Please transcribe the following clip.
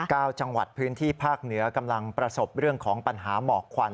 จังหวัดพื้นที่ภาคเหนือกำลังประสบเรื่องของปัญหาหมอกควัน